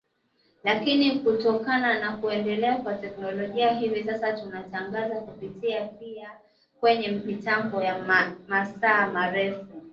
lakini kutokana na kuendelea kwa teknolojia hivi sasa tunatangaza kupitia pia kwenye mitambo ya masafa marefu